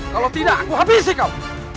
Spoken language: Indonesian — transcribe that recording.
kalau tidak aku habisi kamu